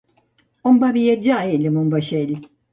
On va viatjar ell amb un vaixell?